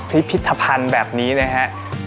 พิพิธภัณฑ์แบบนี้นะฮะ